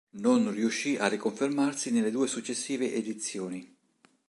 Non riuscì a riconfermarsi nelle due successive edizioni.